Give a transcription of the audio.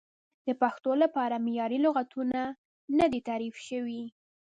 د پښتو لپاره معیاري لغتونه نه دي تعریف شوي.